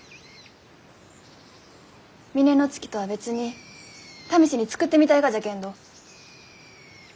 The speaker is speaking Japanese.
峰乃月とは別に試しに造ってみたいがじゃけんど。